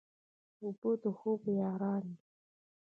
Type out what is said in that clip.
اوبه د خوب یاران دي.